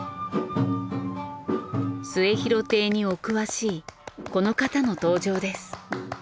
『末廣亭』にお詳しいこの方の登場です。